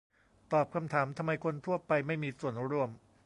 ตอบคำถาม ทำไมคนทั่วไปไม่มีส่วนร่วม